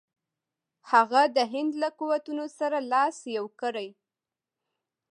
هغه د هند له قوتونو سره لاس یو کړي.